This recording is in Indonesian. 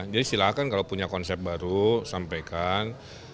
jadi silakan kalau punya konsep baru sampaikan